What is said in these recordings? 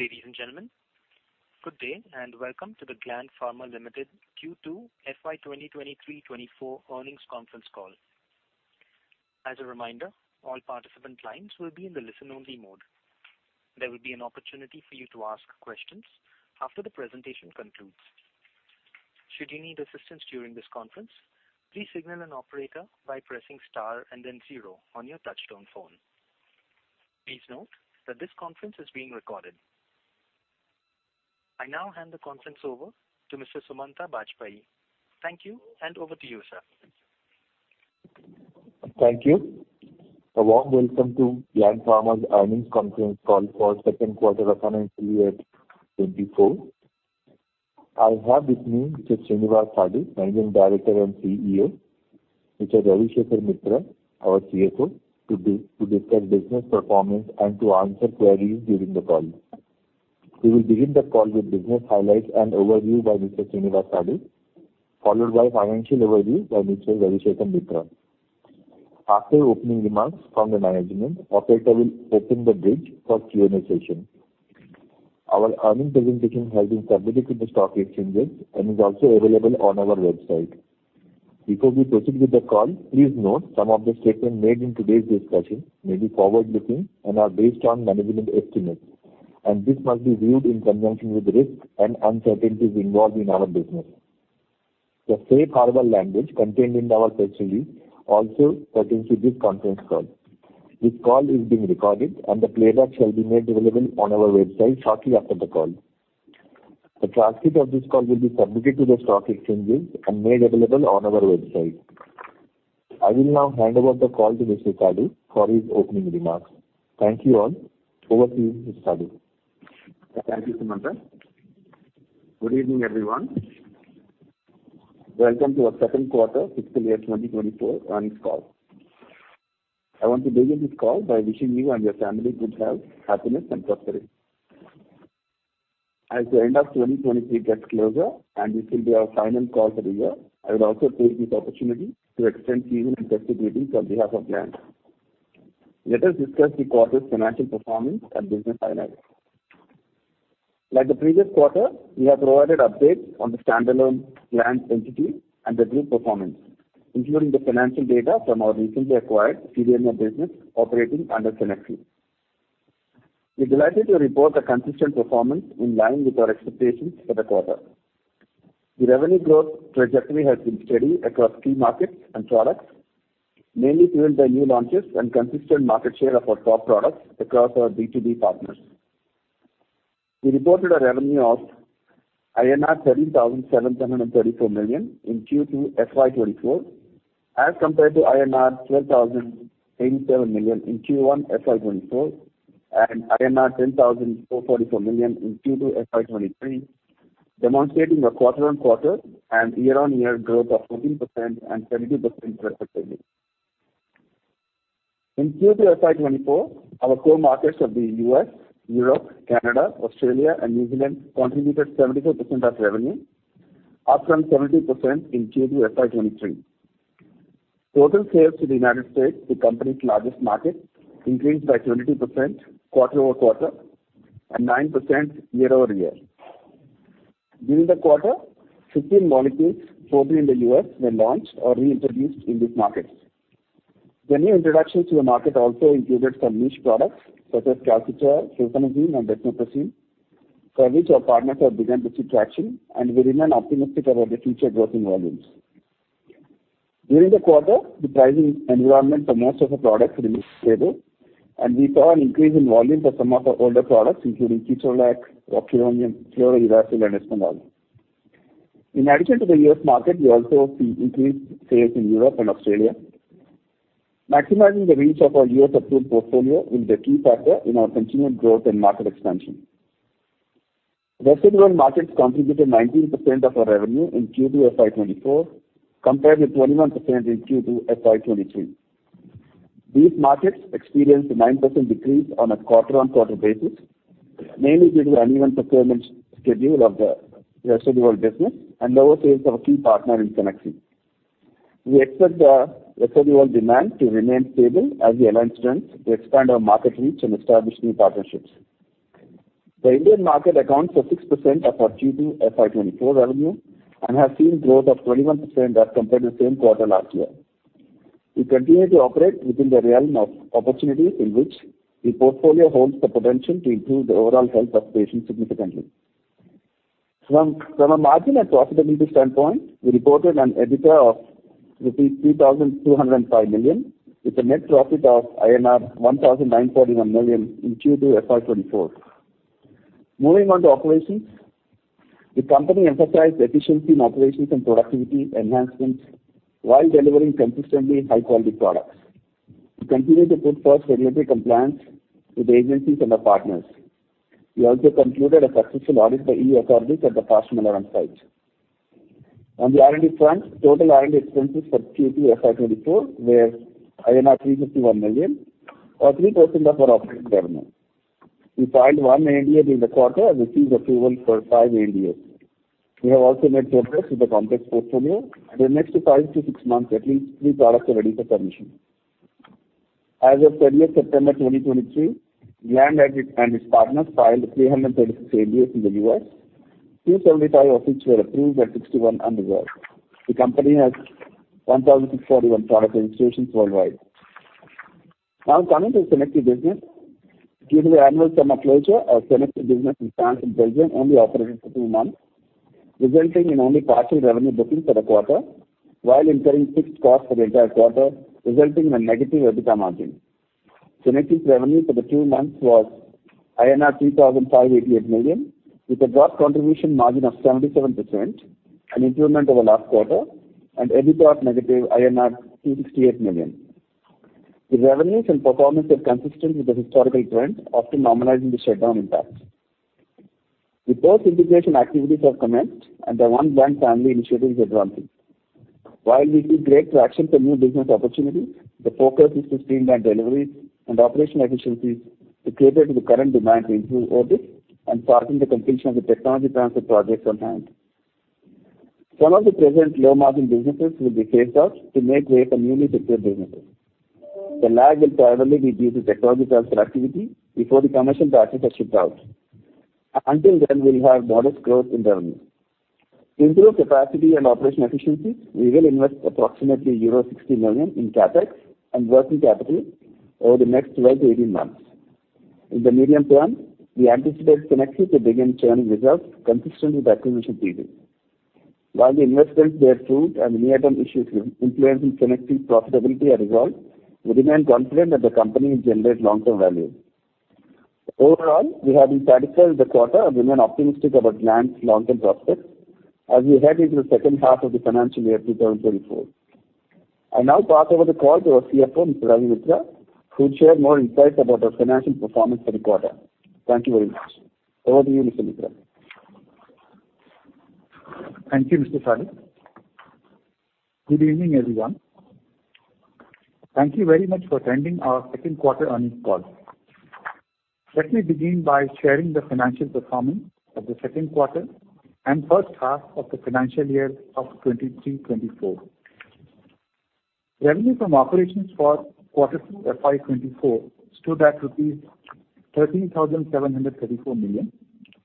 Ladies and gentlemen, good day, and welcome to the Gland Pharma Limited Q2 FY 2023-24 earnings conference call. As a reminder, all participant lines will be in the listen-only mode. There will be an opportunity for you to ask questions after the presentation concludes. Should you need assistance during this conference, please signal an operator by pressing Star and then zero on your touchtone phone. Please note that this conference is being recorded. I now hand the conference over to Mr. Sumanta Bajpayee. Thank you, and over to you, sir. Thank you. A warm welcome to Gland Pharma's earnings conference call for second quarter of financial year 2024. I have with me Mr. Srinivas Sadu, Managing Director and CEO, Mr. Ravi Shekhar Mitra, our CFO, to discuss business performance and to answer queries during the call. We will begin the call with business highlights and overview by Mr. Srinivas Sadu, followed by financial overview by Mr. Ravi Shekhar Mitra. After opening remarks from the management, operator will open the bridge for Q&A session. Our earnings presentation has been submitted to the stock exchanges and is also available on our website. Before we proceed with the call, please note some of the statements made in today's discussion may be forward-looking and are based on management estimates, and this must be viewed in conjunction with the risks and uncertainties involved in our business. The safe harbor language contained in our press release also pertains to this conference call. This call is being recorded, and the playback shall be made available on our website shortly after the call. The transcript of this call will be submitted to the stock exchanges and made available on our website. I will now hand over the call to Mr. Sadu for his opening remarks. Thank you all. Over to you, Mr. Sadu. Thank you, Sumanta. Good evening, everyone. Welcome to our second quarter fiscal year 2024 earnings call. I want to begin this call by wishing you and your family good health, happiness, and prosperity. As the end of 2023 gets closer, and this will be our final call for the year, I would also take this opportunity to extend season's best regards on behalf of Gland Pharma. Let us discuss the quarter's financial performance and business highlights. Like the previous quarter, we have provided updates on the standalone Gland's entity and the group performance, including the financial data from our recently acquired CDMO business operating under Cenexi. We're delighted to report a consistent performance in line with our expectations for the quarter. The revenue growth trajectory has been steady across key markets and products, mainly fueled by new launches and consistent market share of our top products across our B2B partners. We reported a revenue of INR 13,734 million in Q2 FY 2024, as compared to INR 12,087 million in Q1 FY 2024, and INR 10,444 million in Q2 FY 2023, demonstrating a quarter-on-quarter and year-on-year growth of 14% and 72%, respectively. In Q2 FY 2024, our core markets of the U.S., Europe, Canada, Australia, and New Zealand contributed 74% of revenue, up from 70% in Q2 FY 2023. Total sales to the United States, the company's largest market, increased by 22% quarter-over-quarter and 9% year-over-year. During the quarter, 15 molecules, mostly in the U.S., were launched or reintroduced in these markets. The new introduction to the market also included some niche products, such as Calcitriol, Sulfazine, and Desmopressin, for which our partners have begun to see traction, and we remain optimistic about the future growth in volumes. During the quarter, the pricing environment for most of the products remained stable, and we saw an increase in volume for some of our older products, including Ketorolac, Rocuronium, Fluorouracil, and Espumisan. In addition to the U.S. market, we also see increased sales in Europe and Australia. Maximizing the reach of our U.S. approved portfolio is the key factor in our continued growth and market expansion. Rest of the world markets contributed 19% of our revenue in Q2 FY 2024, compared with 21% in Q2 FY 2023. These markets experienced a 9% decrease on a quarter-on-quarter basis, mainly due to uneven procurement schedule of the rest of the world business and lower sales of our key partner in Cenexi. We expect the rest of the world demand to remain stable as we align strengths to expand our market reach and establish new partnerships. The Indian market accounts for 6% of our Q2 FY 2024 revenue and has seen growth of 21% as compared to the same quarter last year. We continue to operate within the realm of opportunities in which the portfolio holds the potential to improve the overall health of patients significantly. From a margin and profitability standpoint, we reported an EBITDA of 3,205 million, with a net profit of INR 1,941 million in Q2 FY 2024. Moving on to operations. The company emphasized efficiency in operations and productivity enhancements while delivering consistently high-quality products. We continue to put first regulatory compliance with agencies and our partners. We also concluded a successful audit by EU authorities at the Pashamylaram site. On the R&D front, total R&D expenses for Q2 FY 2024 were INR 351 million, or 3% of our operating revenue. We filed 1 ANDA during the quarter and received approval for 5 ANDAs. We have also made progress with the complex portfolio, and in next 5-6 months, at least 3 products are ready for submission.... As of 30th September 2023, Gland and its partners filed 336 ANDAs in the US, 275 of which were approved and 61 under work. The company has 1,641 product registrations worldwide. Now coming to Cenexi business. Due to the annual summer closure, our Cenexi business in France and Belgium only operated for 2 months, resulting in only partial revenue bookings for the quarter, while incurring fixed costs for the entire quarter, resulting in a negative EBITDA margin. Cenexi revenue for the 2 months was INR 3,588 million, with a gross contribution margin of 77%, an improvement over last quarter, and EBITDA of negative INR 268 million. The revenues and performance are consistent with the historical trends, after normalizing the shutdown impact. The post-integration activities have commenced, and the One Gland Family initiative is advancing. While we feel great to access a new business opportunity, the focus is to streamline deliveries and operational efficiencies to cater to the current demand to improve order and hasten the completion of the technology transfer projects on hand. Some of the present low-margin businesses will be phased out to make way for newly secured businesses. The lag will primarily be due to technology transfer activity before the commercial batches are shipped out. Until then, we'll have modest growth in revenue. To improve capacity and operational efficiencies, we will invest approximately euro 60 million in CapEx and working capital over the next 12-18 months. In the medium term, we anticipate Cenexi to begin turning results consistent with acquisition periods. While the investments bear fruit and near-term issues influencing Cenexi profitability are resolved, we remain confident that the company will generate long-term value. Overall, we have been satisfied with the quarter and remain optimistic about Gland's long-term prospects as we head into the second half of the financial year 2024. I now pass over the call to our CFO, Mr. Ravi Mitra, who will share more insights about our financial performance for the quarter. Thank you very much. Over to you, Mr. Mitra. Thank you, Mr. Sadu. Good evening, everyone. Thank you very much for attending our second quarter earnings call. Let me begin by sharing the financial performance of the second quarter and first half of the financial year of 2023-2024. Revenue from operations for quarter 2, FY 2024, stood at rupees 13,734 million,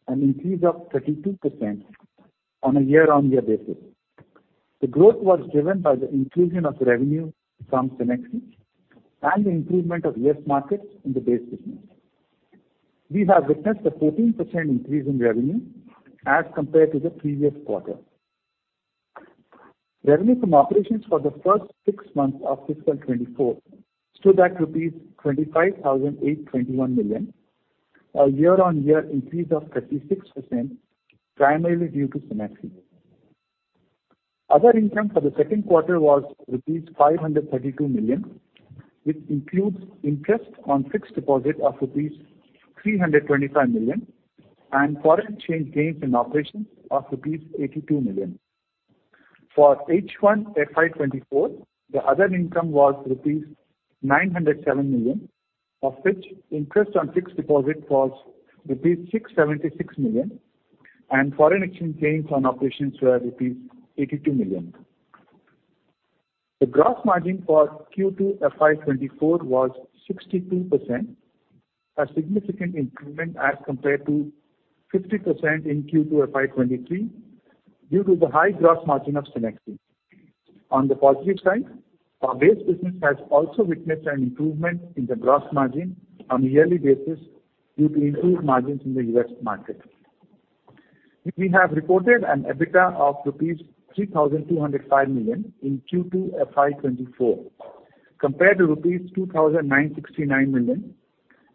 an increase of 32% on a year-on-year basis. The growth was driven by the inclusion of revenue from Cenexi and the improvement of U.S. markets in the base business. We have witnessed a 14% increase in revenue as compared to the previous quarter. Revenue from operations for the first six months of fiscal 2024 stood at 25,821 million, a year-on-year increase of 36%, primarily due to Cenexi. Other income for the second quarter was rupees 532 million, which includes interest on fixed deposit of rupees 325 million, and foreign exchange gains in operations of rupees 82 million. For H1, FY 2024, the other income was rupees 907 million, of which interest on fixed deposit was rupees 676 million, and foreign exchange gains on operations were rupees 82 million. The gross margin for Q2, FY 2024, was 62%, a significant improvement as compared to 50% in Q2, FY 2023, due to the high gross margin of Cenexi. On the positive side, our base business has also witnessed an improvement in the gross margin on a yearly basis due to improved margins in the US market. We have reported an EBITDA of rupees 3,205 million in Q2, FY 2024, compared to rupees 2,969 million,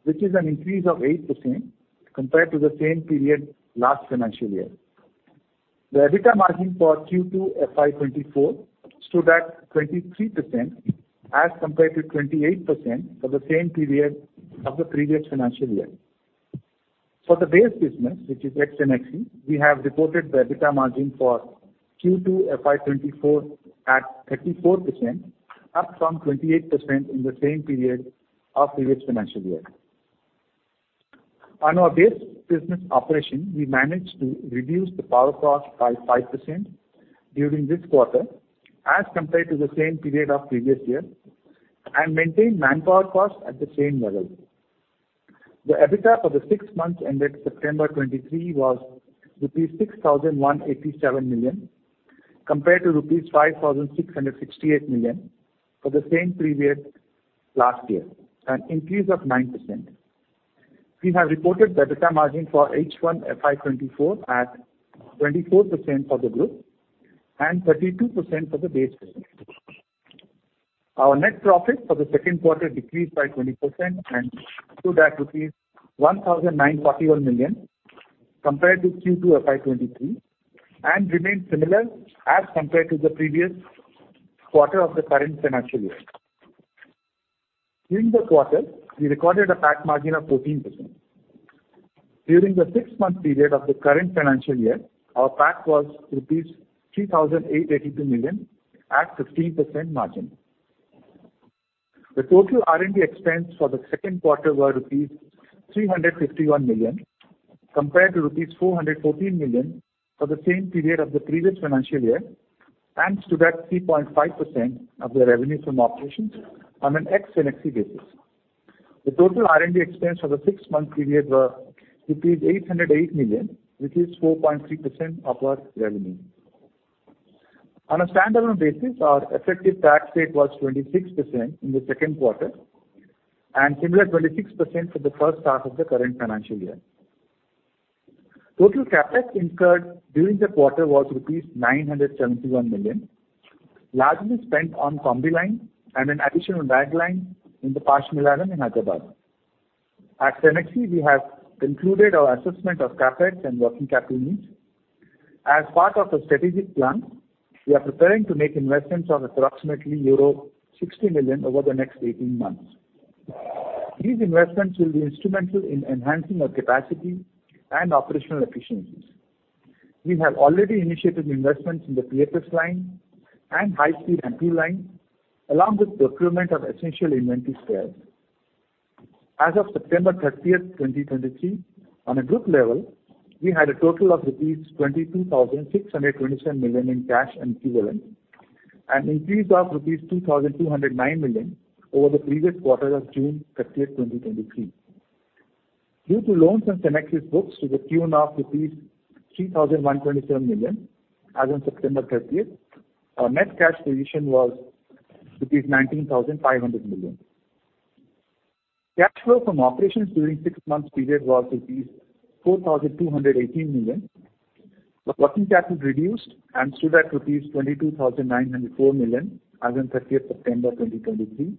which is an increase of 8% compared to the same period last financial year. The EBITDA margin for Q2, FY 2024, stood at 23%, as compared to 28% for the same period of the previous financial year. For the base business, which is ex Cenexi, we have reported the EBITDA margin for Q2, FY 2024, at 34%, up from 28% in the same period of previous financial year. On our base business operation, we managed to reduce the power cost by 5% during this quarter as compared to the same period of previous year, and maintain manpower costs at the same level. The EBITDA for the six months ended September 2023 was rupees 6,187 million, compared to rupees 5,668 million for the same period last year, an increase of 9%. We have reported the EBITDA margin for H1, FY 2024, at 24% for the group and 32% for the base business. Our net profit for the second quarter decreased by 20% and stood at 1,941 million, compared to Q2, FY 2023, and remained similar as compared to the previous quarter of the current financial year. During the quarter, we recorded a PAT margin of 14%. During the six-month period of the current financial year, our PAT was 3,882 million at 15% margin. The total R&D expense for the second quarter were rupees 351 million compared to rupees 414 million for the same period of the previous financial year, thanks to that 3.5% of the revenue from operations on an ex-Cenexi basis. The total R&D expense for the six-month period was rupees 808 million, which is 4.3% of our revenue. On a standalone basis, our effective tax rate was 26% in the second quarter, and similar 26% for the first half of the current financial year. Total CapEx incurred during the quarter was rupees 971 million, largely spent on Combi line and an additional bag line in the Pashamylaram in Hyderabad. At Cenexi, we have concluded our assessment of CapEx and working capital needs. As part of the strategic plan, we are preparing to make investments of approximately euro 60 million over the next eighteen months. These investments will be instrumental in enhancing our capacity and operational efficiencies. We have already initiated investments in the PFS line and high speed MP line, along with procurement of essential inventory spares. As of September thirtieth, twenty twenty-three, on a group level, we had a total of rupees 22,627 million in cash and equivalent, an increase of rupees 2,209 million over the previous quarter of June thirtieth, twenty twenty-three. Due to loans on Cenexi's books to the tune of rupees 3,127 million as on September thirtieth, our net cash position was rupees 19,500 million. Cash flow from operations during six months period was rupees 4,218 million. The working capital reduced and stood at rupees 22,904 million as on thirtieth September twenty twenty-three,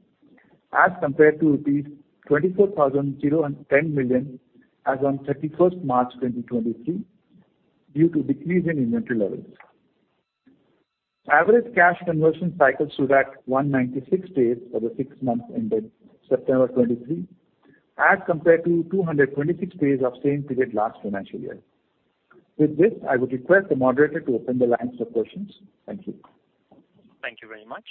as compared to rupees 24,010 million as on thirty-first March twenty twenty-three, due to decrease in inventory levels. Average cash conversion cycle stood at 196 days for the six months ended September 2023, as compared to 226 days of same period last financial year. With this, I would request the moderator to open the lines for questions. Thank you. Thank you very much.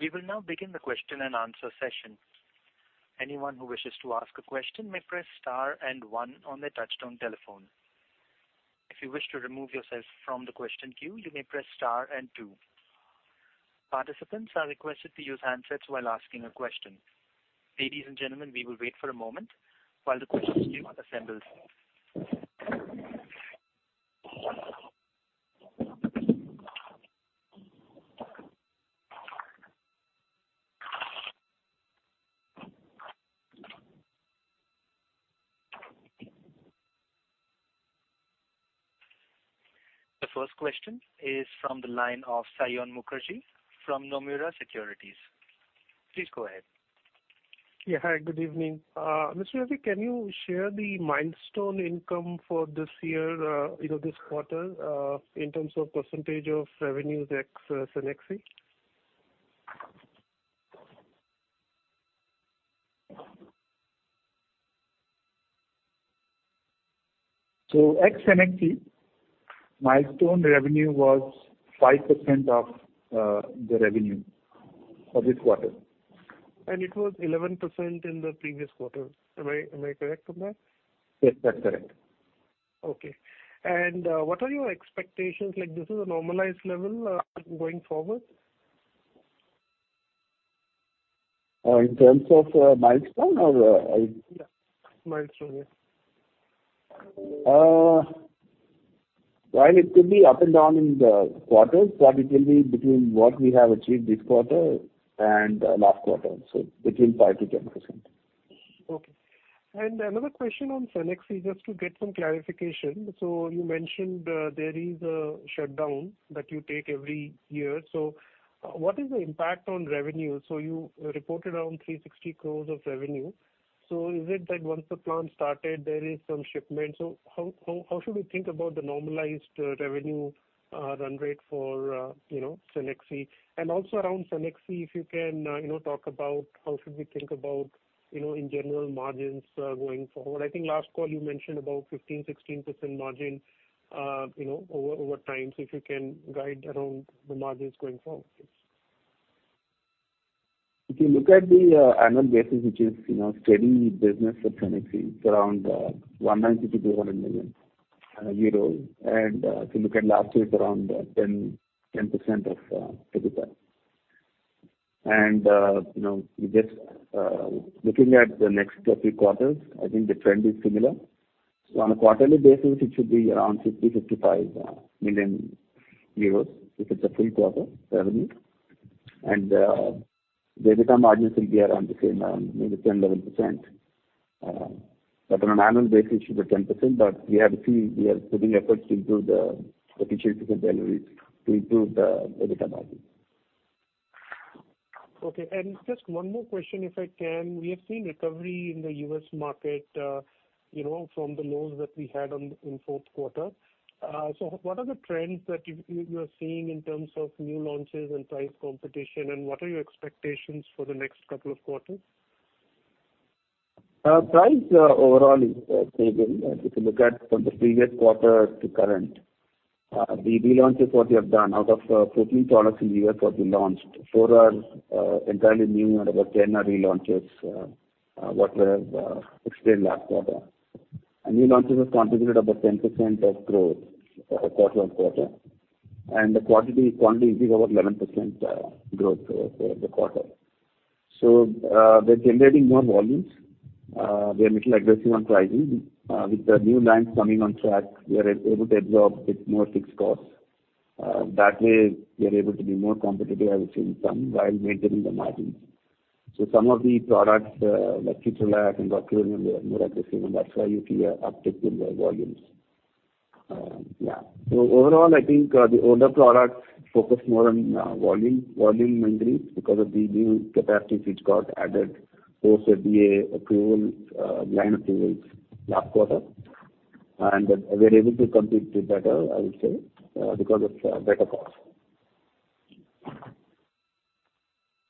We will now begin the question and answer session. Anyone who wishes to ask a question may press star and one on their touchtone telephone. If you wish to remove yourself from the question queue, you may press star and two. Participants are requested to use handsets while asking a question. Ladies and gentlemen, we will wait for a moment while the question queue are assembled. The first question is from the line of Saion Mukherjee from Nomura Securities. Please go ahead. Yeah. Hi, good evening. Mr. Ravi, can you share the milestone income for this year, you know, this quarter, in terms of percentage of revenues ex Cenexi? Ex-Cenexi, milestone revenue was 5% of the revenue for this quarter. It was 11% in the previous quarter. Am I, am I correct on that? Yes, that's correct. Okay. What are your expectations, like, this is a normalized level going forward? In terms of, milestone or I- Yeah, milestone, yes. Well, it could be up and down in the quarters, but it will be between what we have achieved this quarter and last quarter, so between 5%-10%. Okay. Another question on Cenexi, just to get some clarification. So you mentioned there is a shutdown that you take every year. So what is the impact on revenue? So you reported around 360 crore of revenue. So is it that once the plant started, there is some shipment? So how should we think about the normalized revenue run rate for, you know, Cenexi? And also around Cenexi, if you can, you know, talk about how should we think about, you know, in general, margins going forward. I think last call you mentioned about 15%-16% margin, you know, over time. So if you can guide around the margins going forward, please. If you look at the annual basis, which is, you know, steady business of Cenexi, it's around 190 million-200 million euros. If you look at last year, it's around 10-10% of EBITDA. You know, just looking at the next two, three quarters, I think the trend is similar. So on a quarterly basis, it should be around 50 million-55 million euros, if it's a full quarter revenue. The EBITDA margins will be around the same, maybe 10%-11%. But on an annual basis, it should be 10%, but we have to see. We are putting efforts to improve the efficiency of the delivery to improve the EBITDA margin. Okay. Just one more question, if I can: We have seen recovery in the U.S. market, you know, from the lows that we had in fourth quarter. So what are the trends that you are seeing in terms of new launches and price competition, and what are your expectations for the next couple of quarters? Price overall is stable if you look at from the previous quarter to current. The relaunches what we have done, out of 14 products in the U.S. what we launched, 4 are entirely new and about 10 are relaunches what we have explained last quarter. And new launches have contributed about 10% of growth quarter-on-quarter, and the quantity is over 11% growth for the quarter. So, we're generating more volumes. We are a little aggressive on pricing. With the new lines coming on track, we are able to absorb a bit more fixed costs. That way, we are able to be more competitive, I would say, some, while maintaining the margins. So some of the products, like Ketorolac and Docetaxel, they are more aggressive, and that's why you see an uptick in the volumes. Yeah. So overall, I think, the older products focus more on, volume, volume mainly because of the new capacities which got added post FDA approval, line approvals last quarter. And we're able to compete better, I would say, because of, better costs.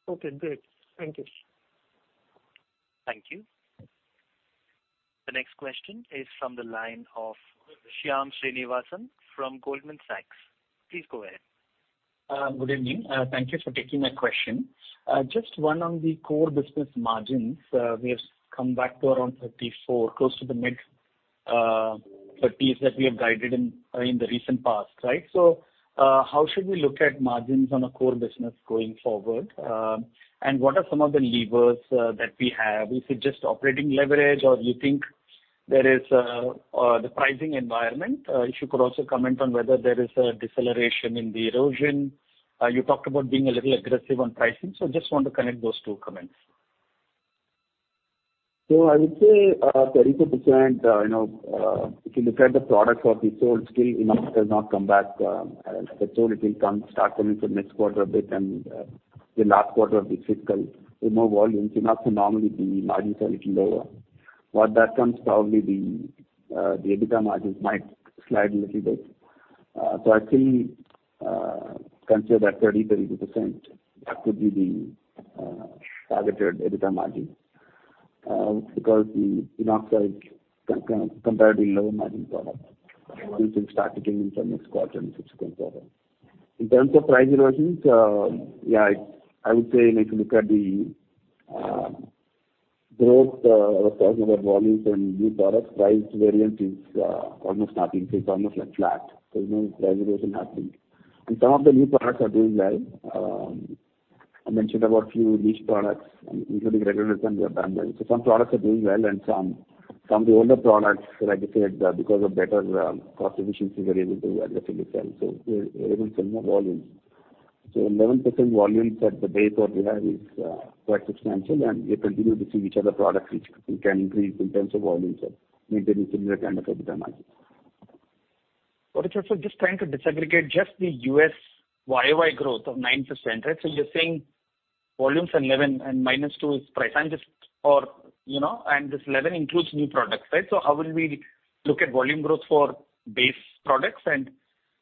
Okay, great. Thank you. Thank you. The next question is from the line of Shyam Srinivasan from Goldman Sachs. Please go ahead. Good evening. Thank you for taking my question. Just one on the core business margins. We have come back to around 34, close to the mid-thirties that we have guided in the recent past, right? So, how should we look at margins on a core business going forward? And what are some of the levers that we have? Is it just operating leverage, or you think there is the pricing environment? If you could also comment on whether there is a deceleration in the erosion. You talked about being a little aggressive on pricing, so just want to connect those two comments. So I would say, 32%, you know, if you look at the products what we sold, still enough has not come back. So it will start coming from next quarter a bit and, the last quarter of the fiscal with more volume. So normally, the margins are little lower. Once that comes, probably the EBITDA margins might slide a little bit. So I still consider that 32%, that could be the targeted EBITDA margin, because the Enox is comparatively lower margin product, which will start kicking in from next quarter and subsequent quarters. In terms of price erosions, yeah, I would say, if you look at the growth, or sorry, the volumes in new products, price variance is almost nothing. So it's almost like flat, so no price erosion happening. And some of the new products are doing well. I mentioned about few niche products, including regulators, and they are done well. So some products are doing well, and some of the older products, like I said, because of better cost efficiency, we're able to aggressively sell, so we're able to sell more volumes. So 11% volumes at the base what we have is quite substantial, and we continue to see which are the products which we can increase in terms of volumes and maintaining similar kind of EBITDA margins. Got it, sir. So just trying to disaggregate just the U.S. Y-o-Y growth of 9%, right? So you're saying volumes are 11 and -2 is price. I'm just... Or, you know, and this 11 includes new products, right? So how will we look at volume growth for base products, and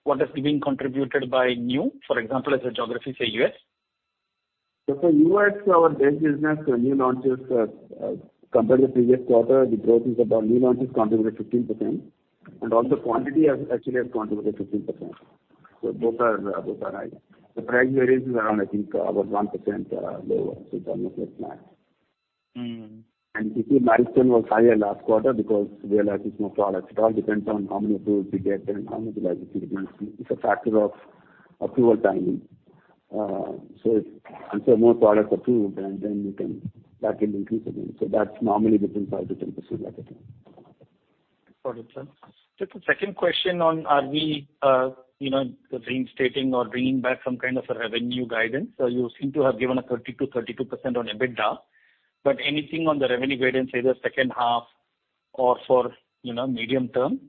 what is being contributed by new, for example, as a geography, say, U.S.? So for U.S., our base business, new launches, compared to previous quarter, the growth is about new launches contributed 15%, and also quantity has actually has contributed 15%. So both are, both are high. The price variance is around, I think, about 1%, lower, so it's almost like flat. Mm-hmm. If you... margin was higher last quarter because we launched some more products. It all depends on how many approvals we get and how much elasticity. It's a factor of approval timing. So if more products approved, and then you can, that will increase again. So that's normally between 5%-10% like that. Got it, sir. Just a second question on are we, you know, reinstating or bringing back some kind of a revenue guidance? You seem to have given a 30%-32% on EBITDA, but anything on the revenue guidance, say, the second half or for, you know, medium term?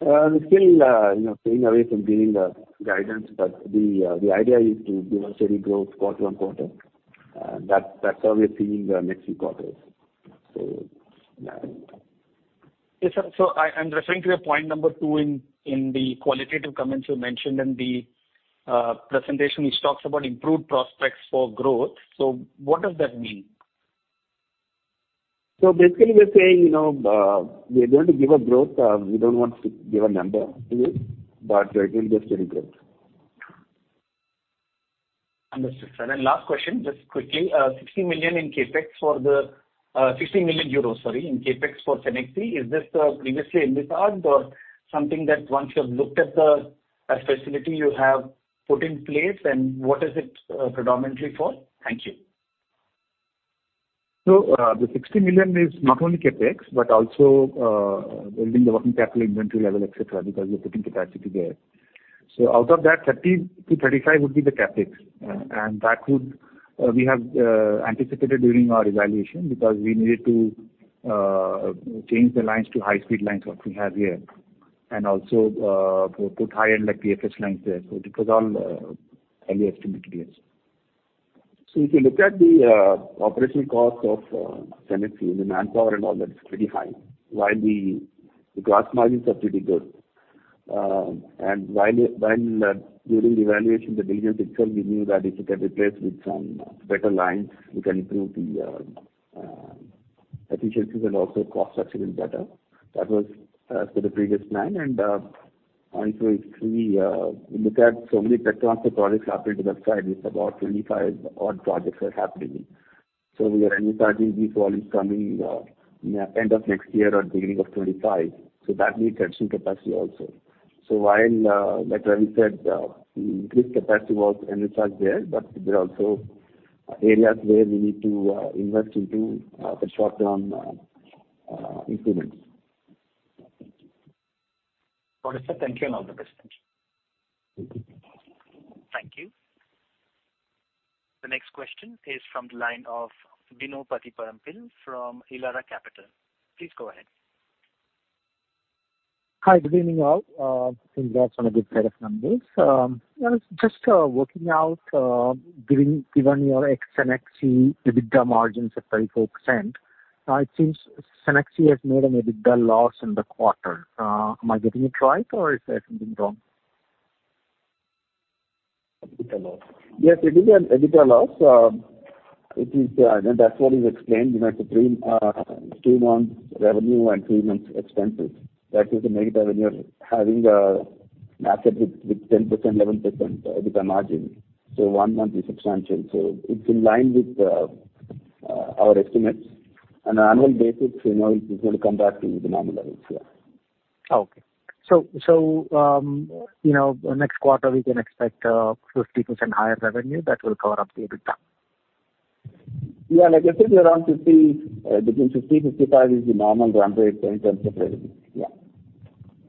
We're still, you know, staying away from giving the guidance, but the idea is to give a steady growth quarter-on-quarter. That's how we are seeing the next few quarters, so yeah. Yes, sir. So I'm referring to your point number two in the qualitative comments you mentioned in the presentation, which talks about improved prospects for growth. So what does that mean? Basically, we're saying, you know, we're going to give a growth, we don't want to give a number to you, but it will be steady growth. Understood, sir. And last question, just quickly, 60 million in CapEx for the, 60 million euros, sorry, in CapEx for Cenexi. Is this, previously envisaged or something that once you've looked at the, facility you have put in place, and what is it, predominantly for? Thank you. So, the 60 million is not only CapEx, but also building the working capital inventory level, et cetera, because we're putting capacity there. So out of that, 30-35 million would be the CapEx. And that would. We have anticipated during our evaluation because we needed to change the lines to high-speed lines what we have here, and also put high end like the AFH lines there. So it was all earlier estimated yes. So if you look at the operating costs of Cenexi, the manpower and all that is pretty high, while the gross margins are pretty good. And while during the evaluation, the business itself, we knew that if it can replace with some better lines, we can improve the efficiencies and also cost structure is better. That was for the previous nine. And so if we look at so many tech transfer projects happening to the website, it's about 25-odd projects are happening. So we are initiating these projects coming end of next year or beginning of 2025, so that needs additional capacity also. So while, like I said, the increased capacity was initially there, but there are also areas where we need to invest into the short-term improvements. Got it, sir. Thank you, and all the best. Thank you. Thank you. The next question is from the line of Bino Pathiparampil from Elara Capital. Please go ahead. Hi, good evening, all. Congrats on a good set of numbers. I was just working out, given your ex-Cenexi EBITDA margins of 34%, it seems Cenexi has made an EBITDA loss in the quarter. Am I getting it right, or is there something wrong? EBITDA loss. Yes, EBITDA, EBITDA loss, it is, and that's what is explained, you know, between two months revenue and three months expenses. That is a negative when you're having an asset with ten percent, eleven percent EBITDA margin. So one month is substantial, so it's in line with our estimates. On an annual basis, you know, it is going to come back to the normal levels, yeah. Okay. So, you know, next quarter, we can expect 50% higher revenue that will cover up the EBITDA? Yeah, like I said, around 50, between 50-55 is the normal run rate in terms of revenue. Yeah.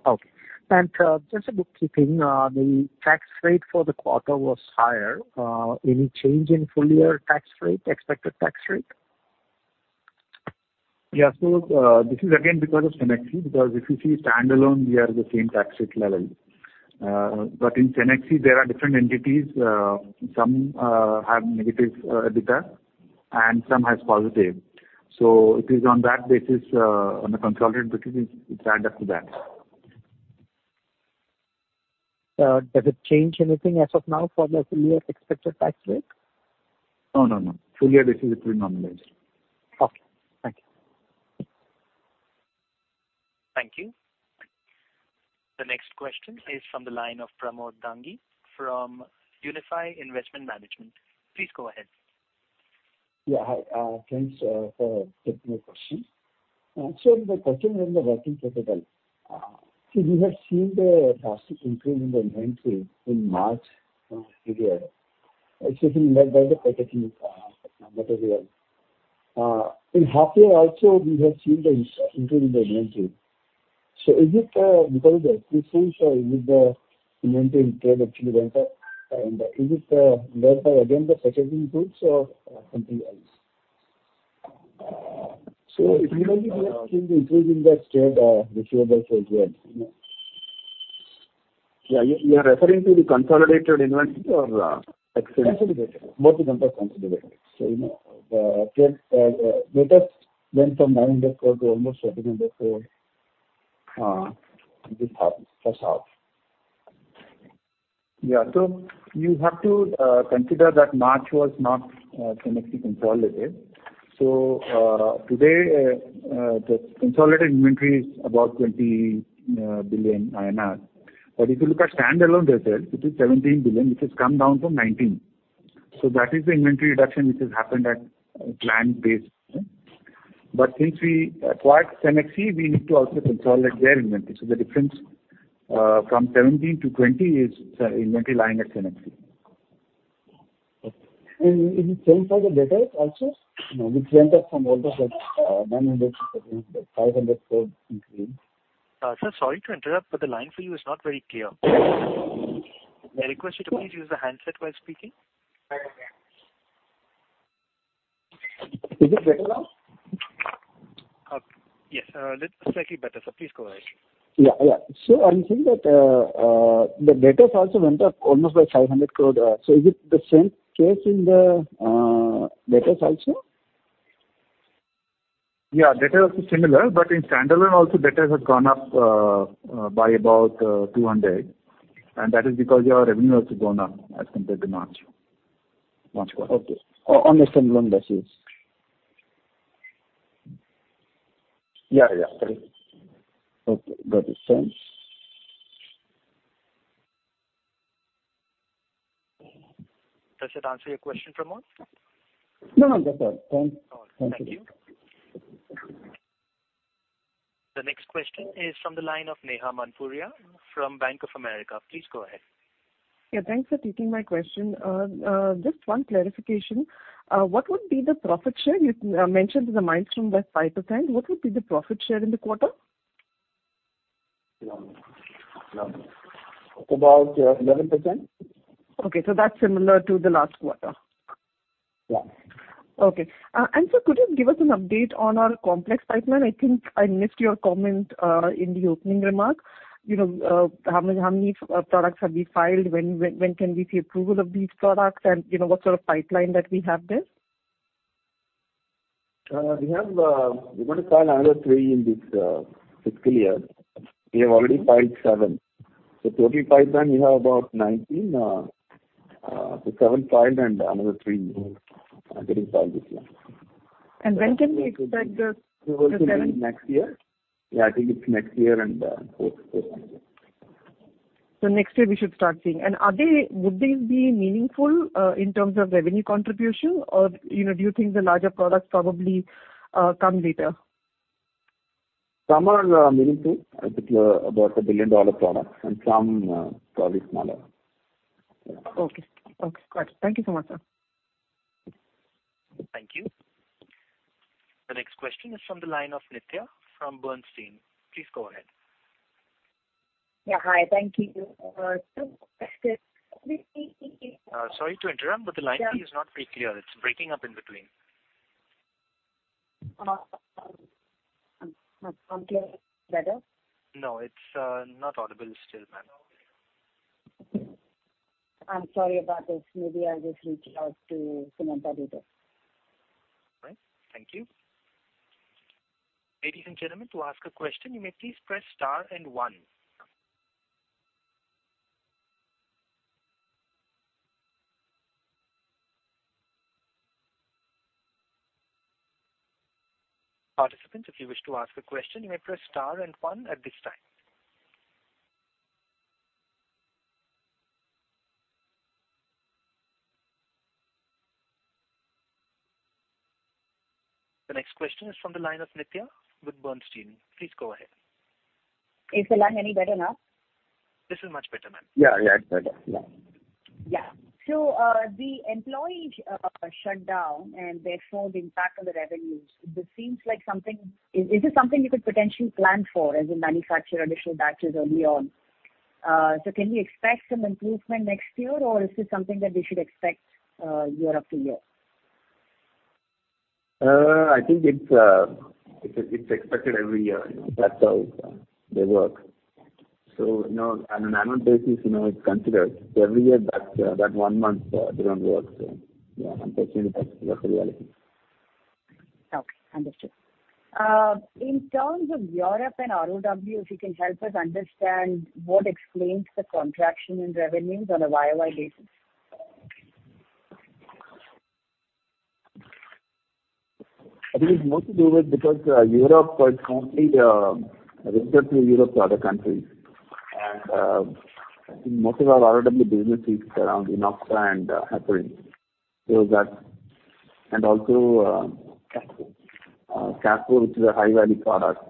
Okay. And, just a bookkeeping, the tax rate for the quarter was higher. Any change in full year tax rate, expected tax rate? Yeah. So, this is again because of Cenexi, because if you see standalone, we are the same tax rate level. But in Cenexi, there are different entities, some have negative EBITDA and some has positive. So it is on that basis, on the consolidated basis, it, it add up to that. Does it change anything as of now for the full year expected tax rate? No, no, no. Full year, this is pretty normalized. Okay, thank you. Thank you. The next question is from the line of Pramod Dangi from Unifi Investment Management. Please go ahead. Yeah, hi. Thanks for taking my question. So the question on the working capital. We have seen the drastic improvement in inventory in March this year. It's been led by the category raw material. In half year also, we have seen the increase in the inventory. So is it because of the increase sales or is it the inventory trade actually went up? And is it led by again, the category finished goods or something else? So if you maybe you have seen the increase in the trade receivables as well, you know. Yeah. You are referring to the consolidated inventory or excellence? Consolidated. Both of them are consolidated. So, you know, the latest went from 900 crore to almost 1,700 crore, this half, first half. Yeah. So you have to consider that March was not Cenexi consolidated. So today the consolidated inventory is about 20 billion INR. But if you look at standalone results, it is 17 billion, which has come down from 19 billion. So that is the inventory reduction which has happened at a plant base. But since we acquired Cenexi, we need to also consolidate their inventory. So the difference from 17 billion to 20 billion is the inventory lying at Cenexi. Okay. And is it same for the debtors also? Which went up from almost, like, 900 crore to 500 crore increase. Sir, sorry to interrupt, but the line for you is not very clear. I request you to please use the handset while speaking. Is it better now? Okay. Yes, little slightly better, sir. Please go ahead. Yeah, yeah. So I'm seeing that the debtors also went up almost by 500 crore. So is it the same case in the debtors also? Yeah, debtors is similar, but in standalone also, debtors have gone up by about 200, and that is because our revenue has gone up as compared to March quarter. Okay. On a standalone basis. Yeah, yeah. Okay, got it. Thanks. Does that answer your question, Pramod? No, no. That's all. Thanks. All right. Thank you. The next question is from the line of Neha Manpuria from Bank of America. Please go ahead. Yeah, thanks for taking my question. Just one clarification. What would be the profit share? You mentioned the margin was 5%. What would be the profit share in the quarter? About 11%. Okay. So that's similar to the last quarter? Yeah. Okay. And sir, could you give us an update on our complex pipeline? I think I missed your comment, in the opening remarks. You know, how many, how many, products have been filed? When, when, when can we see approval of these products? And, you know, what sort of pipeline that we have there? We have... We're going to file another 3 in this fiscal year. We have already filed 7. So total pipeline, we have about 19, so 7 filed and another 3 are getting filed this year. When can we expect the seven? Next year. Yeah, I think it's next year and fourth quarter. So next year we should start seeing. And would these be meaningful in terms of revenue contribution? Or, you know, do you think the larger products probably come later? Some are meaningful, I think, about a billion-dollar product, and some probably smaller. Okay. Okay, got it. Thank you so much, sir. Thank you. The next question is from the line of Nitya from Bernstein. Please go ahead. Yeah, hi. Thank you. Two questions. We- Sorry to interrupt, but the line is not pretty clear. It's breaking up in between. I'm clear. Better? No, it's not audible still, ma'am. I'm sorry about this. Maybe I'll just reach out to Sumanta later. All right. Thank you. Ladies and gentlemen, to ask a question, you may please press star and one. Participants, if you wish to ask a question, you may press star and one at this time. The next question is from the line of Nitya with Bernstein. Please go ahead. Is the line any better now? This is much better, ma'am. Yeah, yeah, it's better. Yeah. So, the EIR shutdown and therefore the impact on the revenues, this seems like something... Is this something you could potentially plan for, as in manufacture additional batches early on? So can we expect some improvement next year, or is this something that we should expect, year after year? I think it's expected every year, you know, that's how they work. So, you know, on an annual basis, you know, it's considered every year that one month they don't work. So yeah, unfortunately, that's the reality. Okay, understood. In terms of Europe and ROW, if you can help us understand what explains the contraction in revenues on a YOY basis? I think it's more to do with because Europe compared to Europe to other countries, and most of our ROW business is around Enoxaparin, so that. And also, Caspo. Caspo, which is a high-value product.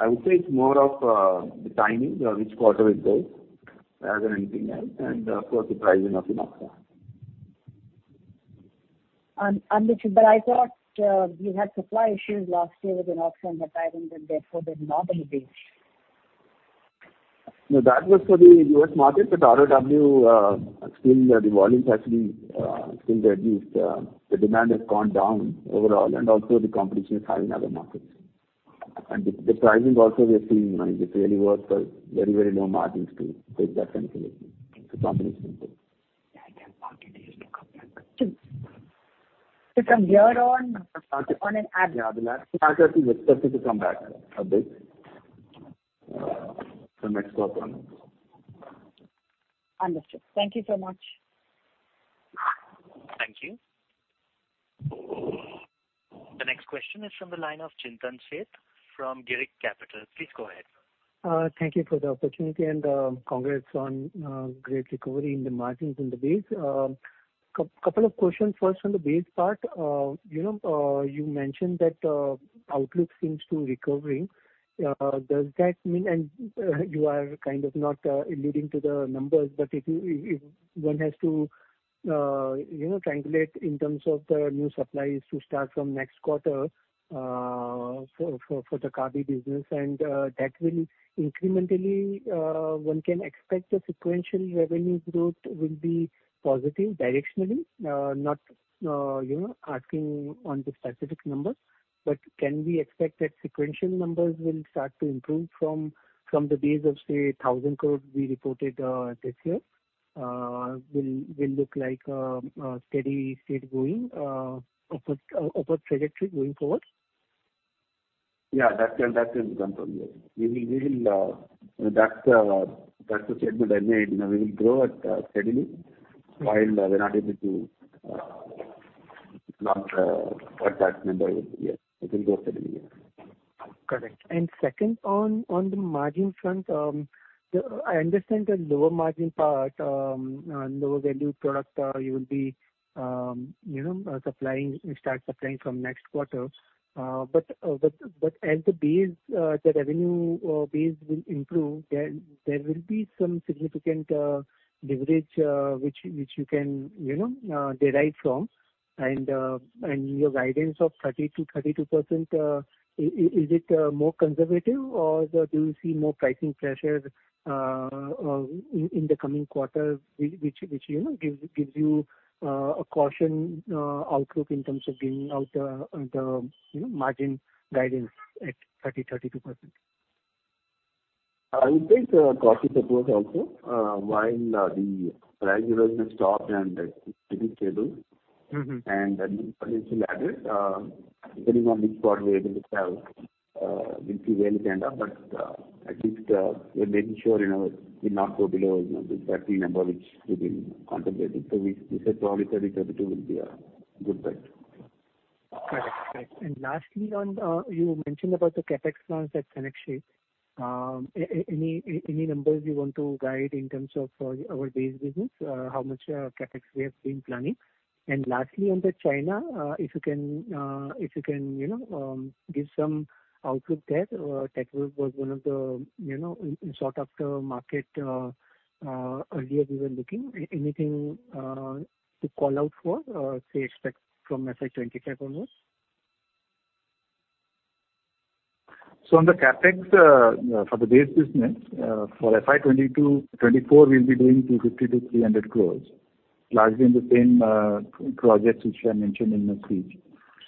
I would say it's more of the timing, which quarter it goes, rather than anything else, and of course, the pricing of Enoxaparin. Understood. But I thought you had supply issues last year with Enoxaparin that I think then therefore there's not any issue. No, that was for the US market, but ROW, still, the volumes actually still reduced. The demand has gone down overall, and also the competition is high in other markets. And the pricing also we are seeing, you know, it really works for very, very low margins, too. So it's that kind of a thing. The competition. Yeah, I think market is to come back. To, from here on, on an average? Yeah, the last quarter is expected to come back a bit. The next quarter. Understood. Thank you so much. Thank you. The next question is from the line of Chintan Sheth from Girik Capital. Please go ahead. Thank you for the opportunity, and congrats on great recovery in the margins in the base. Couple of questions. First, on the base part, you know, you mentioned that outlook seems to recovering. Does that mean... And, you are kind of not alluding to the numbers, but if you - if, if one has to, you know, triangulate in terms of the new supplies to start from next quarter, for the Kabi business, and that will incrementally one can expect the sequential revenue growth will be positive directionally? Not, you know, asking on the specific numbers. But can we expect that sequential numbers will start to improve from the base of, say, 1,000 crore we reported this year, will look like a steady state going upward trajectory going forward? Yeah, that can, that can come from there. We will, we will. That's the statement I made. You know, we will grow at steadily, while we're not able to launch at that number yet. It will grow steadily. Correct. And second, on the margin front, I understand the lower margin part and lower value product you will, you know, start supplying from next quarter. But as the base, the revenue base will improve, there will be some significant leverage which you can, you know, derive from. And your guidance of 30%-32%, is it more conservative, or do you see more pricing pressures in the coming quarters, which you know gives you a cautious outlook in terms of giving out the, you know, margin guidance at 30%-32%? I would say it's a cautious approach also. While the price erosion has stopped and it's stable- Mm-hmm. And then depending on which part we are able to have, which is really kind of, but at least, we're making sure, you know, we not go below, you know, the 30 number which we've been contemplating. So we said probably 30, 32 will be a good bet. Correct. Correct. And lastly, on, you mentioned about the CapEx plans at Cenexi. Any numbers you want to guide in terms of our base business, how much CapEx we have been planning? And lastly, on the China, if you can, if you can, you know, give some outlook there, that was one of the, you know, sought after market, earlier we were looking. Anything to call out for, say, expect from FY 2025 onwards? On the CapEx, for the base business, for FY 2022-2024, we'll be doing 250-300 crores, largely in the same projects which I mentioned in my speech.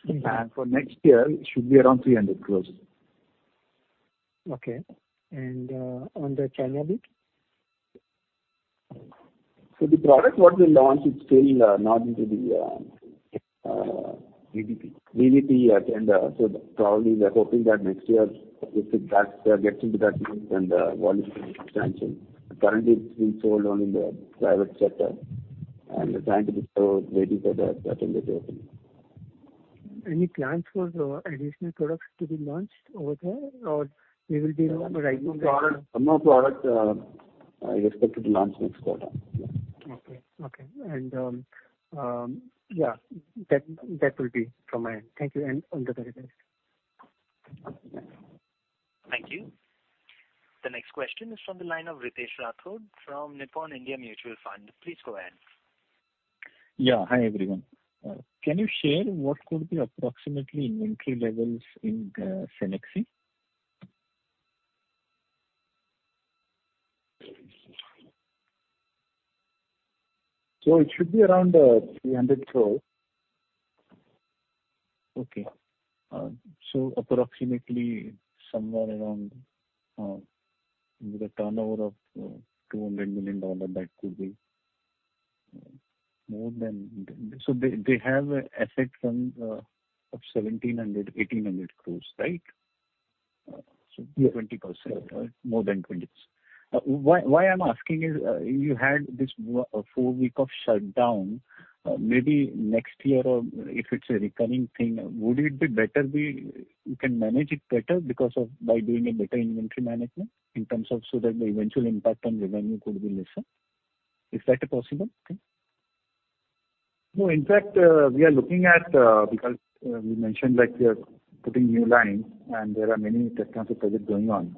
Mm-hmm. For next year, it should be around 300 crore. Okay. And, on the China bit? The product what we launched is still not into the, VBP. VBP agenda. So probably we are hoping that next year, if it does get into that group, then the volume will expand. Currently, it's being sold only in the private sector, and we're trying to be so waiting for the agenda to open. Any plans for the additional products to be launched over there? Or we will be writing that- One more product, I expect to be launched next quarter. Okay. Okay. And yeah, that will be from my end. Thank you, and under the revised. Thank you. The next question is from the line of Ritesh Rathod from Nippon India Mutual Fund. Please go ahead. Yeah. Hi, everyone. Can you share what could be approximately inventory levels in Cenexi? So it should be around 300 crore. Okay. So approximately somewhere around, with a turnover of $200 million, that could be more than... So they, they have asset from, of 1,700-1,800 crores, right? Uh, so- 20%, more than 20. Why I'm asking is, you had this 4-week shutdown, maybe next year or if it's a recurring thing, would it be better we, you can manage it better because of by doing a better inventory management in terms of so that the eventual impact on revenue could be lesser? Is that possible? No, in fact, we are looking at, because we mentioned, like, we are putting new lines and there are many technical projects going on,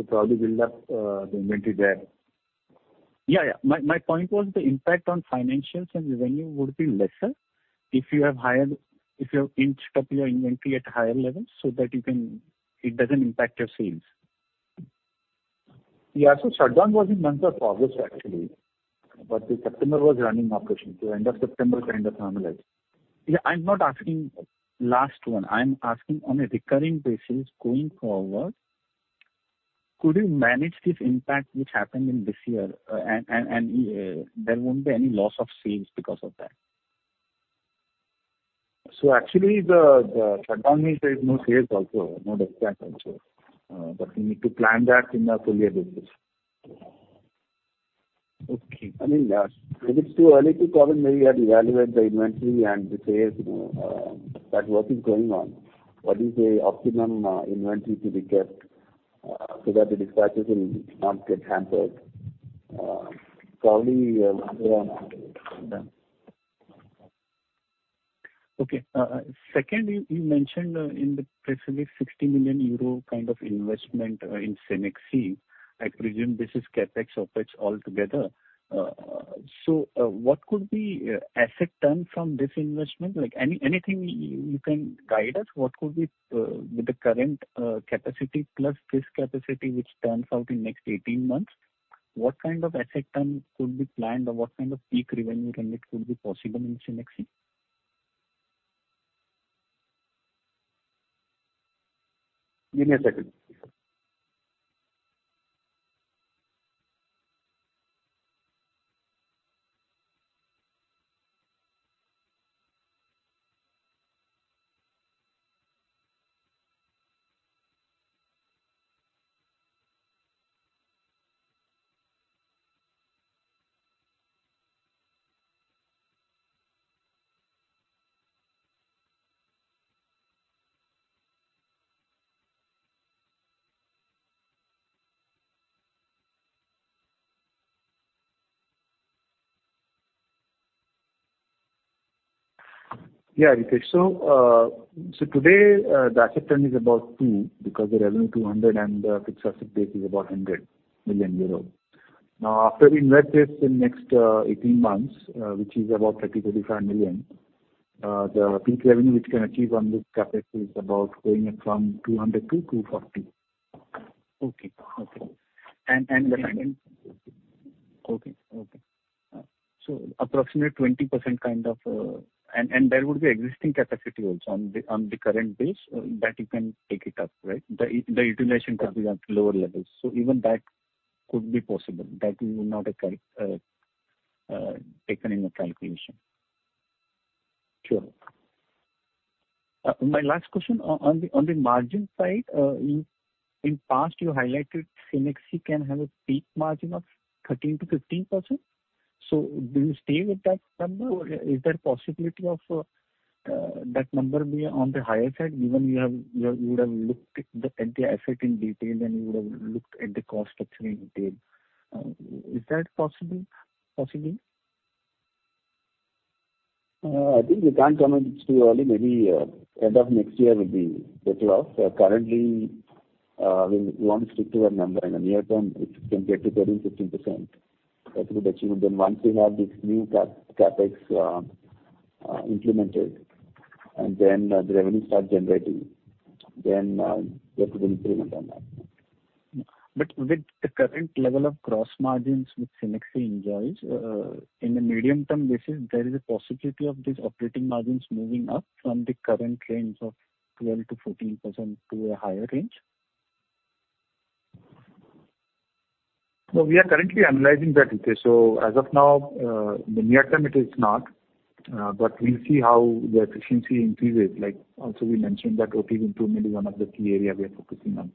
so probably build up the inventory there. Yeah, yeah. My, my point was the impact on financials and revenue would be lesser if you have higher, if you have inched up your inventory at higher levels so that you can. It doesn't impact your sales. Yeah. So shutdown was in month of August, actually, but the September was running operation. So end of September, kind of normalized. Yeah, I'm not asking last one. I'm asking on a recurring basis going forward, could you manage this impact which happened in this year, and there won't be any loss of sales because of that? So actually, the shutdown means there is no sales also, no dispatch also, but we need to plan that in a full year basis. Okay. I mean, it is too early to tell and maybe we have to evaluate the inventory and the sales, that work is going on. What is the optimum inventory to be kept, so that the dispatches will not get hampered? Probably, later on it will be done. Okay. Second, you mentioned in the press release, 60 million euro kind of investment in Cenexi. I presume this is CapEx, OpEx altogether. So, what could be asset turn from this investment? Like, anything you can guide us, what could be with the current capacity plus this capacity, which turns out in next 18 months, what kind of asset turn could be planned, or what kind of peak revenue turn it could be possible in Cenexi? Give me a second. Yeah, Ritesh. So, today, the asset turn is about 2, because the revenue [is] 200 million and the fixed asset base is about 100 million euro. Now, after we invest this in next 18 months, which is about 30-35 million, the peak revenue which can achieve on this capacity is about going up from 200 million to 240 million. Okay. Okay. And the- Okay. Okay. So approximately 20% kind of. And there would be existing capacity also on the current base that you can take it up, right? The utilization could be at lower levels. So even that could be possible. That we will not have taken in the calculation. Sure. My last question, on the margin side, in past you highlighted Cenexi can have a peak margin of 13%-15%. So do you stay with that number, or is there a possibility of that number be on the higher side, even you have you would have looked at the asset in detail, then you would have looked at the cost structure in detail. Is that possible, possibly? I think we can't comment too early. Maybe, end of next year will be better off. So currently, we want to stick to our number. In the near term, if we can get to 13%-15%, that would achieve. Then once we have this new CapEx implemented and then the revenue starts generating, then, there could be improvement on that. But with the current level of gross margins, which Cenexi enjoys, in the medium term basis, there is a possibility of these operating margins moving up from the current range of 12%-14% to a higher range? We are currently analyzing that data. As of now, in the near term, it is not, but we'll see how the efficiency increases. Like also we mentioned that OTD improvement is one of the key areas we are focusing on.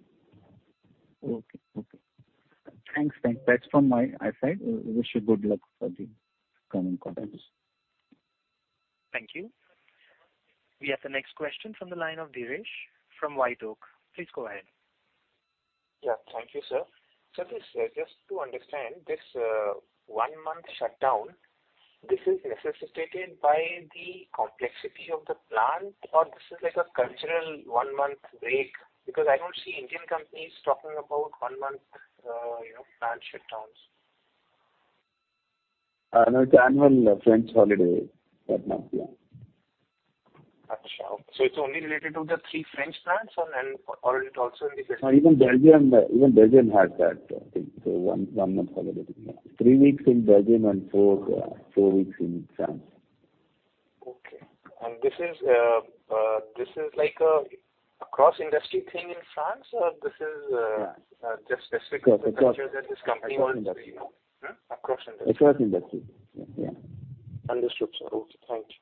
Okay. Okay. Thanks. Thanks. That's from my side. Wish you good luck for the coming quarters. Thank you. We have the next question from the line of Dheeresh from White Oak. Please go ahead. Yeah, thank you, sir. So just, just to understand, this one-month shutdown, this is necessitated by the complexity of the plant, or this is like a cultural one-month break? Because I don't see Indian companies talking about one-month, you know, plant shutdowns. No, it's annual French holiday at our plant. Got you. So it's only related to the three French plants and then, or it also in the- Even Belgium, even Belgium has that thing, so one month holiday, yeah. Three weeks in Belgium and four weeks in France. Okay. And this is like a across industry thing in France, or this is- Yeah just specific to the fact that this company wants to, you know. Across industry. Across industry. Across industry. Yeah. Understood, sir. Okay, thank you.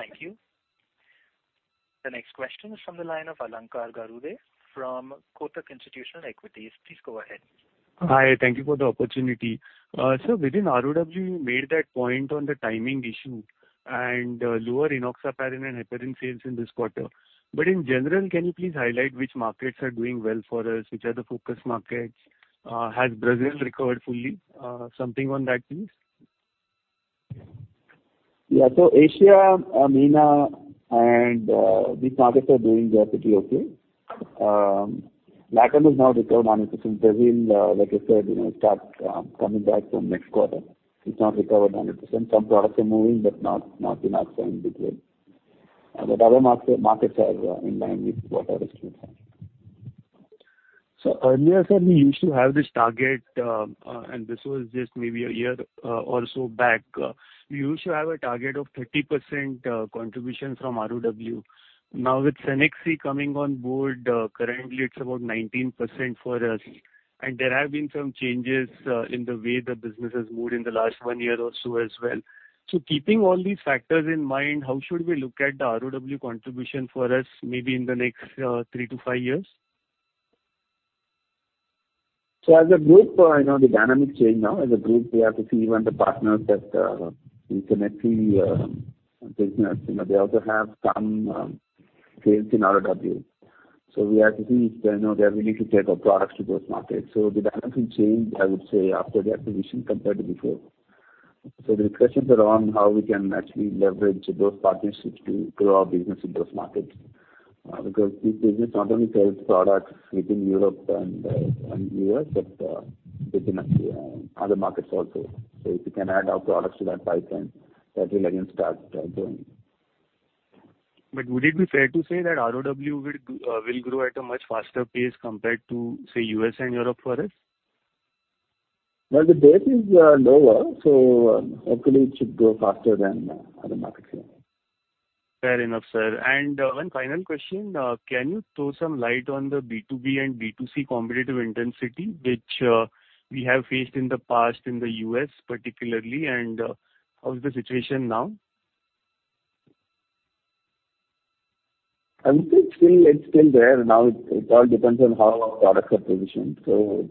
Thank you. The next question is from the line of Alankar Garude from Kotak Institutional Equities. Please go ahead. Hi, thank you for the opportunity. Sir, within ROW, you made that point on the timing issue and lower Enoxaparin and heparin sales in this quarter. But in general, can you please highlight which markets are doing well for us, which are the focus markets? Has Brazil recovered fully? Something on that, please. Yeah. So Asia, Americas and these markets are doing relatively okay. LATAM is now recovered 100%. Brazil, like I said, you know, start coming back from next quarter. It's not recovered 100%. Some products are moving, but not, not enough selling between. But other market, markets are in line with what I was saying. So earlier, sir, we used to have this target, and this was just maybe a year, or so back. We used to have a target of 30% contribution from ROW. Now, with Cenexi coming on board, currently it's about 19% for us, and there have been some changes, in the way the business has moved in the last one year or so as well. So keeping all these factors in mind, how should we look at the ROW contribution for us, maybe in the next 3-5 years? So as a group, you know, the dynamic change now. As a group, we have to see when the partners that in Cenexi business, you know, they also have some sales in ROW. So we have to see if, you know, they are willing to take our products to those markets. So the dynamic change, I would say, after the acquisition compared to before. So the discussions are on how we can actually leverage those partnerships to grow our business in those markets. Because this business not only sells products within Europe and US, but within other markets also. So if you can add our products to that pipeline, that will again start growing. Would it be fair to say that ROW will grow at a much faster pace compared to, say, U.S. and Europe for us? Well, the base is lower, so hopefully it should grow faster than other markets. Fair enough, sir. One final question. Can you throw some light on the B2B and B2C competitive intensity, which we have faced in the past in the US particularly, and how is the situation now? I think it's still, it's still there. Now, it all depends on how our products are positioned. So,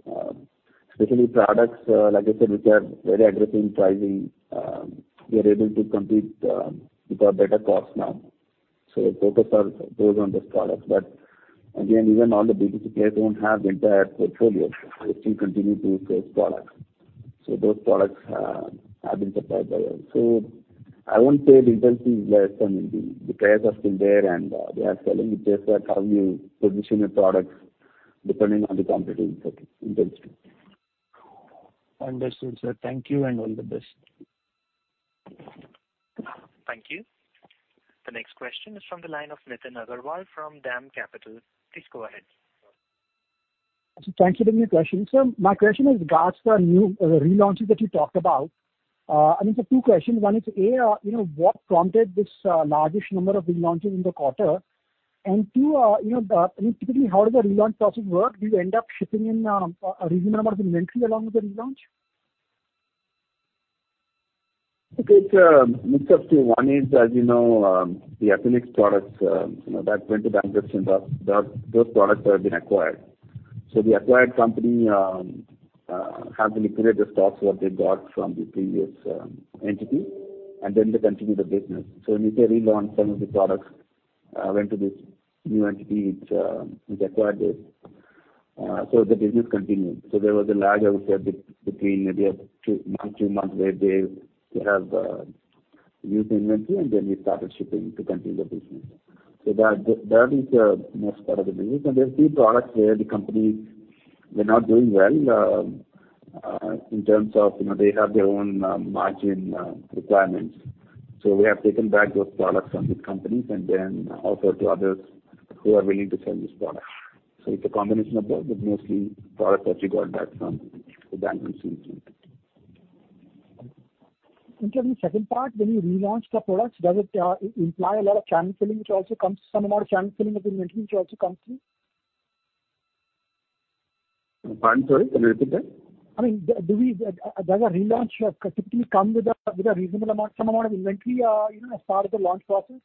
especially products, like I said, which are very aggressive in pricing, we are able to compete with our better cost now. So focus goes on those products. But again, even all the B2C players don't have the entire portfolio. They still continue to use those products. So those products are being supplied by us. So I won't say the intensity is less, and the players are still there, and they are selling it based on how you position a product depending on the competitive intensity. Understood, sir. Thank you, and all the best. Thank you. The next question is from the line of Nitin Agarwal from Dam Capital. Please go ahead. Thank you for the question. Sir, my question is regards to our new relaunches that you talked about. I mean, so two questions. One is, A, you know, what prompted this largest number of relaunches in the quarter? And two, you know, typically, how does the relaunch process work? Do you end up shipping in a reasonable amount of inventory along with the relaunch? It's a mix of two. One is, as you know, the Athenex products, you know, that went to bankruptcy and that those products have been acquired. So the acquired company has liquidated stocks what they got from the previous entity, and then they continue the business. So when you say relaunch, some of the products went to this new entity, which acquired this. So the business continued. So there was a lag, I would say, between maybe up to two months, where they have used the inventory, and then we started shipping to continue the business. So that is most part of the business. And there are few products where the company, they're not doing well in terms of, you know, they have their own margin requirements. We have taken back those products from these companies and then offered to others who are willing to sell this product. It's a combination of both, but mostly products that we got back from the bankruptcy. Okay. In terms of the second part, when you relaunch the products, does it imply a lot of channel filling, which also comes from a lot of channel filling of inventory, which also comes in? I'm sorry, can you repeat that? I mean, does a relaunch typically come with a reasonable amount, some amount of inventory, you know, as part of the launch process?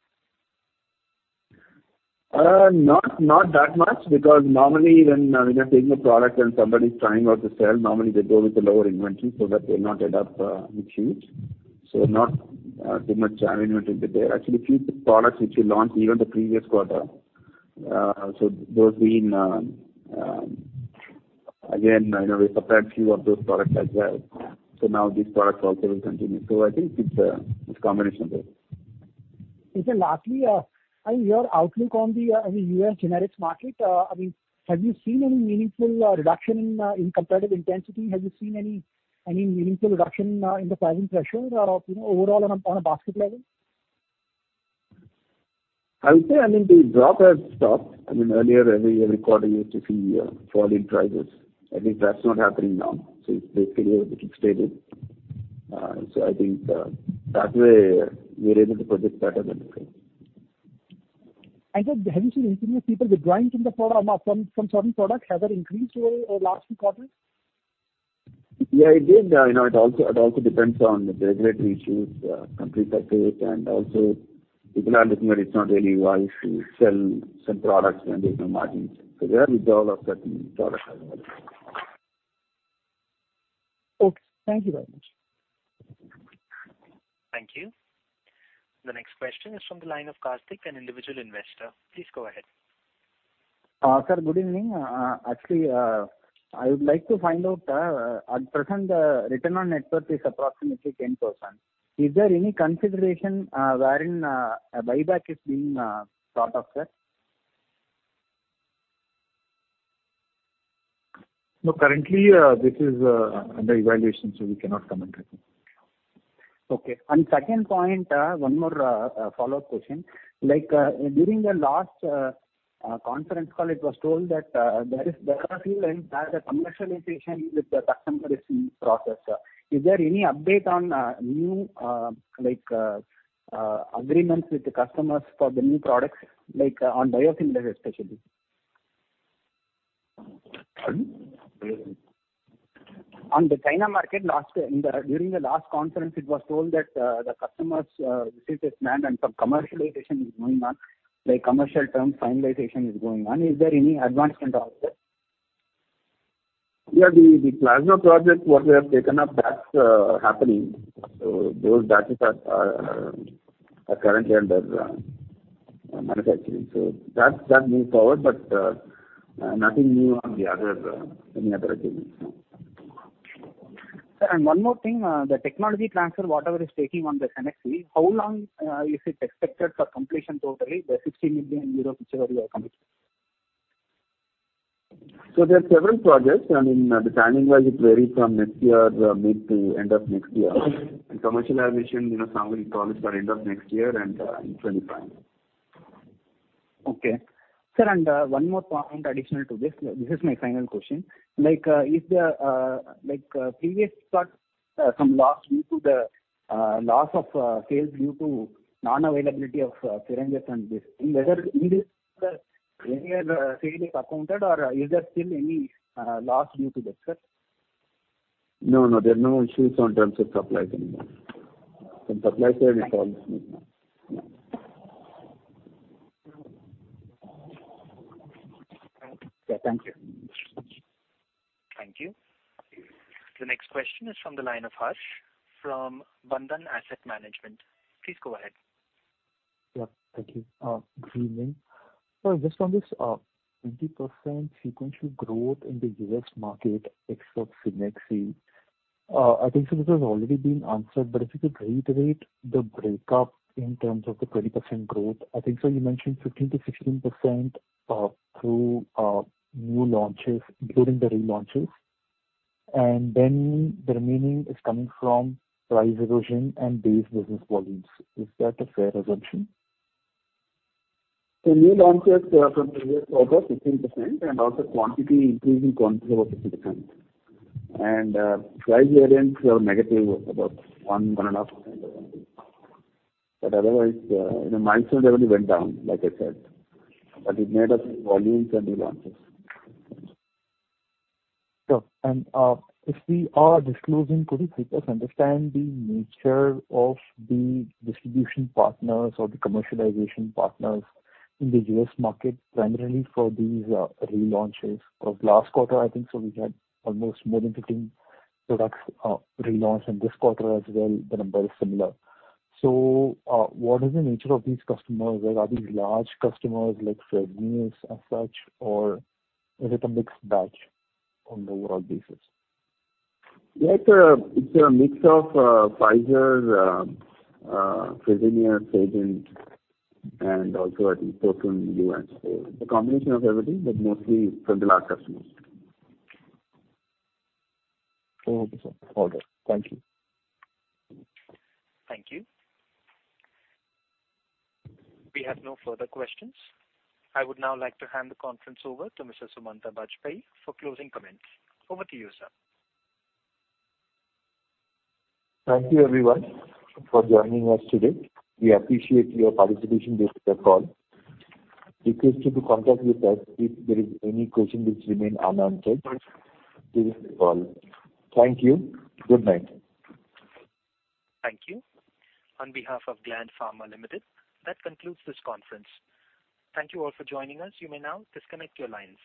Not, not that much. Because normally, when, when you're taking a product and somebody's trying out to sell, normally they go with the lower inventory so that they'll not end up with huge. So not too much channel inventory there. Actually, few products which we launched even the previous quarter, so those being... Again, you know, we supplied few of those products as well. So now these products also will continue. So I think it's a, it's a combination of both. Okay, lastly, I mean, your outlook on the, I mean, U.S. generics market, I mean, have you seen any meaningful reduction in competitive intensity? Have you seen any meaningful reduction in the pricing pressure or, you know, overall on a basket level? I would say, I mean, the drop has stopped. I mean, earlier every year, every quarter, you used to see, falling prices. I think that's not happening now. So it's basically a little bit stable. So I think, that way, we're able to predict better than before. I think, have you seen any people withdrawing from the product or from, from certain products? Has that increased over the last few quarters? Yeah, it did. You know, it also, it also depends on the regulatory issues, country factors, and also people are looking at. It's not really wise to sell some products when there's no margins. So there, we withdraw certain products as well. Okay. Thank you very much. Thank you. The next question is from the line of Karthik, an individual investor. Please go ahead. Sir, good evening. Actually, I would like to find out, at present, the return on net worth is approximately 10%. Is there any consideration, wherein, a buyback is being thought of, sir? Currently, this is under evaluation, so we cannot comment right now. Okay. And second point, one more follow-up question. Like, during the last conference call, it was told that there is, there are a few commercialization with the customer is in process. Is there any update on new like agreements with the customers for the new products, like, on biopharma especially? Pardon? On the China market, during the last conference, it was told that the customers visited plant and some commercialization is going on, like commercial terms finalization is going on. Is there any advancement on that? Yeah, the plasma project, what we have taken up, that's happening. So those batches are currently under manufacturing. So that moves forward, but nothing new on the other in other areas. Sir, and one more thing, the technology transfer, whatever is taking on the Cenexi, how long is it expected for completion totally, the 60 million euro, which are your commitment? There are several projects, and in the timing-wise, it varies from next year, mid to end of next year. Commercialization, you know, some we call it for end of next year and in 2025. Okay. Sir, and, one more point additional to this. This is my final question. Like, is the... Like, previous slot, some loss due to the, loss of, sales due to non-availability of, syringes and this, whether in this quarter, any of the sale is accounted, or is there still any, loss due to this, sir? No, no, there are no issues in terms of supplies anymore. From supply side, it's all smooth. Yeah, thank you. Thank you. The next question is from the line of Harsh, from Bandhan Asset Management. Please go ahead. Yeah, thank you. Good evening. Just on this, 20% sequential growth in the US market, except Cenexi. I think this has already been answered, but if you could reiterate the break up in terms of the 20% growth. I think so you mentioned 15%-16%, through, new launches, including the relaunches, and then the remaining is coming from price erosion and base business volumes. Is that a fair assumption? So new launches from here is about 15%, and also quantity, increase in quantity about 15%. And price variance were negative, about 1-1.5%. But otherwise, the minus already went down, like I said, but it made up volumes and relaunches. Sure. If we are disclosing, could you please help us understand the nature of the distribution partners or the commercialization partners in the U.S. market, primarily for these relaunches? Because last quarter, I think so we had almost more than 15 products relaunched, and this quarter as well, the number is similar. What is the nature of these customers? Are these large customers like Fresenius as such, or is it a mixed batch on the overall basis? Yeah, it's a mix of Pfizer, Fresenius, and also I think Fosun US. So it's a combination of everything, but mostly from the large customers. Okay, sir. All good. Thank you. Thank you. We have no further questions. I would now like to hand the conference over to Mr. Sumanta Bajpayee for closing comments. Over to you, sir. Thank you, everyone, for joining us today. We appreciate your participation with the call. Feel free to contact with us if there is any question which remain unanswered during the call. Thank you. Good night. Thank you. On behalf of Gland Pharma Limited, that concludes this conference. Thank you all for joining us. You may now disconnect your lines.